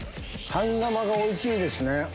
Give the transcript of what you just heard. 半生がおいしいですね。